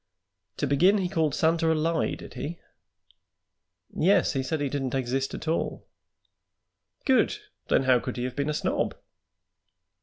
To begin, he called Santa a lie, did he?" "Yes; said he didn't exist at all." "Good! Then how could he have been a snob?"